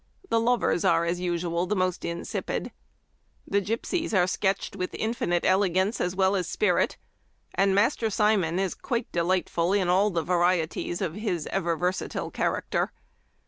The lovers are, as usual, the most insipid. " The ' Gypsies ' are sketched with infinite elegance as well as spirit, and Master Simon is quite delightful in all the varieties of his ever versatile character.